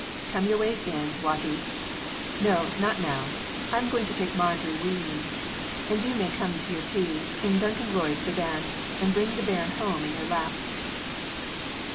"Come your ways in, Wattie." "No, not now. I am going to take Marjorie wi' me, and you may come to your tea in Duncan Roy's sedan, and bring the bairn home in your lap."